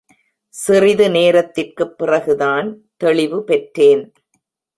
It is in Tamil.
சிறிது நேரத்திற்குப் பிறகுதான் தெளிவுபெற்றேன்.